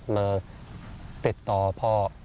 มาติดต่อพ่อ